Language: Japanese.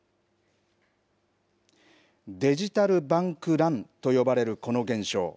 デジタル・バンク・ランと呼ばれるこの現象。